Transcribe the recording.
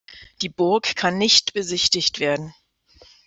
Die Burg kann nicht besichtigt werden.